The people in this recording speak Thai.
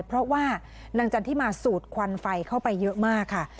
เพราะว่านางจันทิมาสูดควันไฟเข้าไปเยอะมากค่ะ